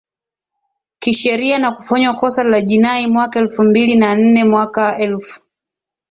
kisheria na kufanywa kosa la jinai mwaka elfu mbili na nne Mwaka elfu